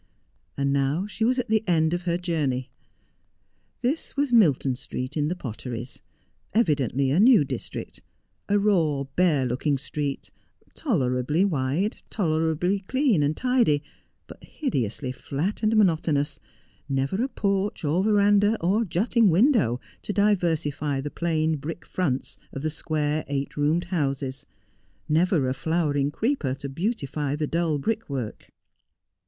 And now she was at the end of her journey. This was Milton Street, in the Potteries — evidently a new district — a raw, bare looking street, tolerably wide, tolerably clean and tidy, but hideously flat and monotonous, never a porch, or verandah, or jutting window to diversify the plain brick fronts of the square eight roomed houses ; never a flowering creeper to beautify the dull brickwork.